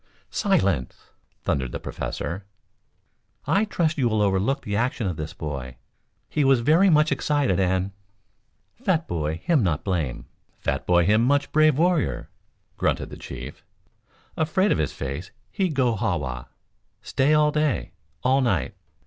"Silence!" thundered the Professor. "I trust you will overlook the action of this boy. He was very much excited and " "Fat boy him not blame. Fat boy him much brave warrior," grunted the chief. "Afraid Of His Face he go ha wa. Stay all day, all night.